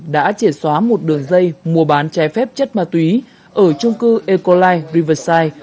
đã chỉ xóa một đường dây mua bán trái phép chất ma túy ở chung cư ecoline riverside